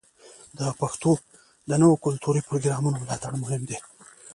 د پښتو د نویو کلتوري پروګرامونو ملاتړ مهم دی.